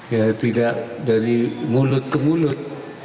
ya tidak dari mulut ke mulut